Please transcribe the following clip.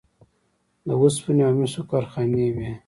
د وسپنې او مسو کارخانې وې